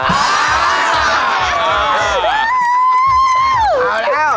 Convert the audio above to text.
หมดเวลา